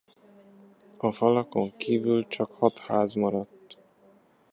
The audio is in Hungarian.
A falakon kívül csak hat ház maradt.